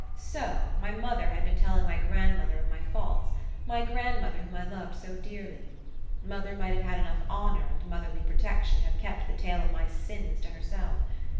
So mother had been telling my grandmother of my faults my grandmother whom I loved so dearly. Mother might have had enough honour and motherly protection to have kept the tale of my sins to herself.